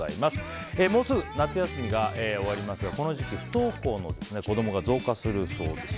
もうすぐ夏休みが終わりますがこの時期、不登校の子供が増加するそうです。